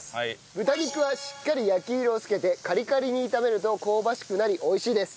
豚肉はしっかり焼き色をつけてカリカリに炒めると香ばしくなり美味しいです。